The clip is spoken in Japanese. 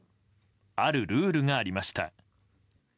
あるルールがありました。